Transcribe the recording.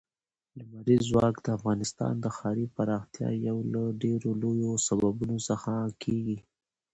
لمریز ځواک د افغانستان د ښاري پراختیا یو له ډېرو لویو سببونو څخه کېږي.